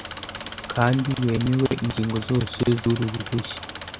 kandi wemere ingingo zose zuru ruhushya